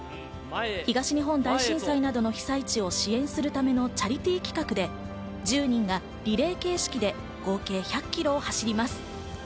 東日本大震災などの被災地を支援するためのチャリティー企画で、１０人がリレー形式で合計１００ｋｍを走ります。